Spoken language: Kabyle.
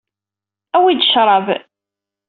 Awit-d acṛab.